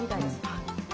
はい。